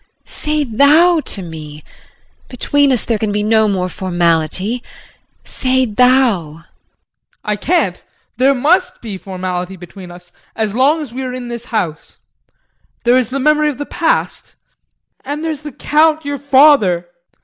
Say thou to me! Between us there can be no more formality. Say thou. JEAN. I can't There must be formality between us as long as we are in this house. There is the memory of the past and there is the Count, your father.